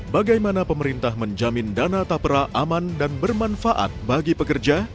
bagaimana pemerintah menjamin dana tapera aman dan bermanfaat bagi pekerja